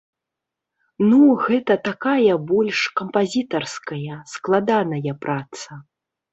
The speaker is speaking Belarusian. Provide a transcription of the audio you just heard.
Ну, гэта такая больш кампазітарская, складаная праца.